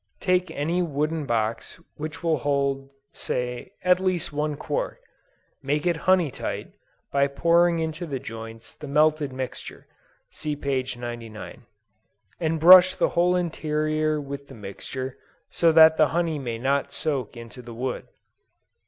Take any wooden box which will hold, say, at least one quart; make it honey tight, by pouring into the joints the melted mixture, (see p. 99,) and brush the whole interior with the mixture, so that the honey may not soak into the wood.